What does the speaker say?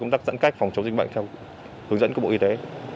công tác giãn cách phòng chống dịch bệnh theo hướng dẫn của bộ y tế